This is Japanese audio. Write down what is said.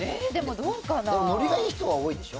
ノリがいい人は多いでしょ？